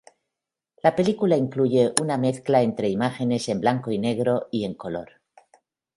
La película incluye una mezcla entre imágenes en blanco y negro y en color.